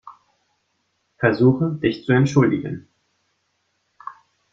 Versuche, dich zu entschuldigen.